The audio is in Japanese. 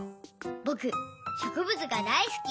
ぼくしょくぶつが大すき。